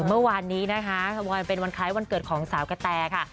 เมื่อวานนี้นะคะวันเป็นวันคล้ายวันเกิดของสาวกะแตค่ะ